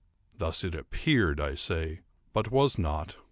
Thus it appeared, I say, but was not.